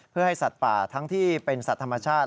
เพื่อให้สัตว์ป่าทั้งที่เป็นสัตว์ธรรมชาติ